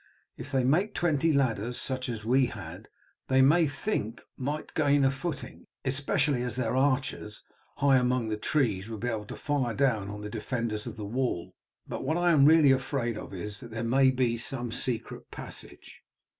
If they make twenty ladders such as we had they may think they might gain a footing, especially as their archers high among the trees would be able to fire down on the defenders of the wall. But what I am really afraid of is that there may be some secret passage."